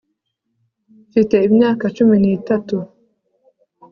mfite imyaka cumi n'itatu